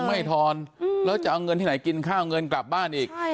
ไม่ทอนแล้วจะเอาเงินที่ไหนกินข้าวเงินกลับบ้านอีก